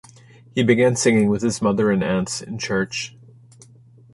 He began singing with his mother and aunts in church.